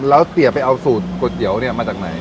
แล้วเสียไปเอาสูตรก๋วยเตี๋ยวเนี่ยมาจากไหน